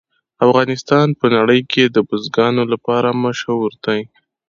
افغانستان په نړۍ کې د بزګانو لپاره مشهور دی.